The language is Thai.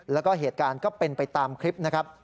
แล้วก็เหตุการณ์ก็เป็นไปตามคลิปนะครับ